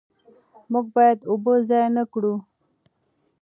موږ باید اوبه ضایع نه کړو.